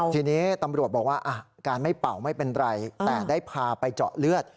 ทีนี้ตำรวจบอกว่าการไม่เป่าไม่เป็นไรแต่ได้พาไปเจาะเลือด